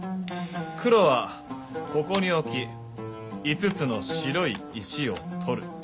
黒はここに置き５つの白い石を取る。